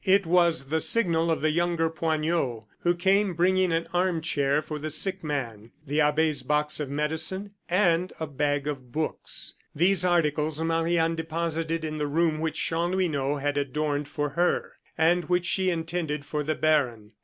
It was the signal of the younger Poignot, who came bringing an arm chair for the sick man, the abbe's box of medicine, and a bag of books. These articles Marie Anne deposited in the room which Chanlouineau had adorned for her, and which she intended for the baron.